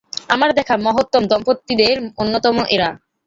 আমার দেখা মহত্তম দম্পতিদের অন্যতম এঁরা।